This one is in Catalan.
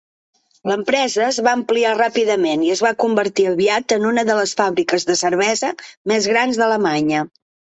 L'empresa es va ampliar ràpidament i es va convertir aviat en una de les fàbriques de cervesa més grans d'alemanya.